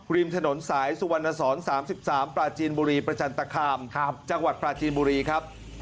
ริมถนนสายสุวรรณสอน๓๓ปลาจีนบุรีประจันตคามจังหวัดปลาจีนบุรีครับ